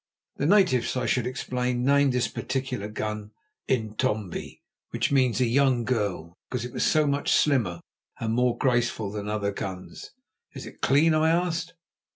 The natives, I should explain, named this particular gun Intombi, which means a young girl, because it was so much slimmer and more graceful than other guns. "Is it clean?" I asked.